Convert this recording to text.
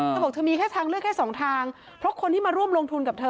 เธอบอกเธอมีแค่ทางเลือกแค่สองทางเพราะคนที่มาร่วมลงทุนกับเธอ